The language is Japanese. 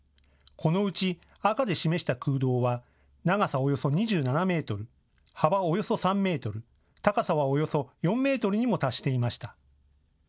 このうち赤で示した空洞は長さおよそ２７メートル、幅およそ３メートル、高さはおよそ４メートルにも達していました。